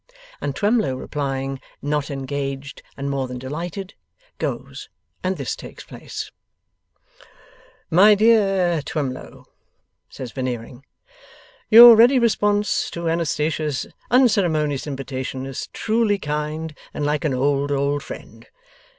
And Twemlow replying, 'Not engaged, and more than delighted,' goes, and this takes place: 'My dear Twemlow,' says Veneering, 'your ready response to Anastatia's unceremonious invitation is truly kind, and like an old, old friend.